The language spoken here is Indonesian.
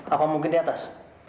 apa mungkin di atas